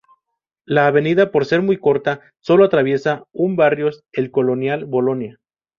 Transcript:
La avenida por ser muy corta, sólo atraviesa un barrios, el Colonial Bolonia.